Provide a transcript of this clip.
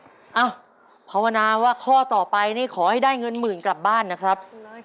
เอ้าภาวนาว่าข้อต่อไปนี่ขอให้ได้เงินหมื่นกลับบ้านนะครับ